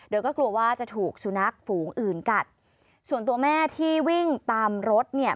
โดยก็กลัวว่าจะถูกสุนัขฝูงอื่นกัดส่วนตัวแม่ที่วิ่งตามรถเนี่ย